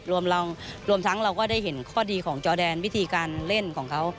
รวมเรารวมทั้งเราก็ได้เห็นข้อดีของจอแดนวิธีการเล่นของเขา